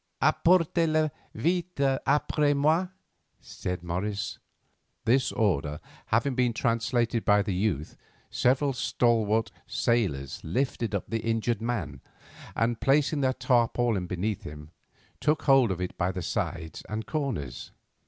"Apportez le vite après moi," said Morris. This order having been translated by the youth, several stalwart sailors lifted up the injured man, and, placing the tarpaulin beneath him, took hold of it by the sides and corners.